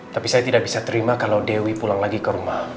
tapi saya tidak bisa terima kalau dewi pulang lagi ke rumah